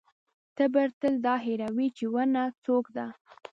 تبر تل دا هېروي چې ونه څوک ده.